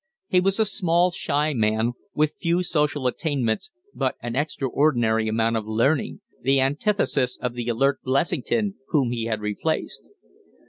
He was a small, shy man, with few social attainments but an extraordinary amount of learning the antithesis of the alert Blessington, whom he had replaced.